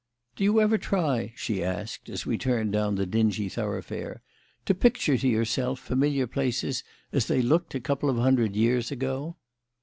"Do you ever try," she asked, as we turned down the dingy thoroughfare, "to picture to yourself familiar places as they looked a couple of hundred years ago?"